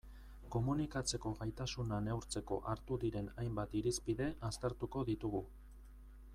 Komunikatzeko gaitasuna neurtzeko hartu diren hainbat irizpide aztertuko ditugu.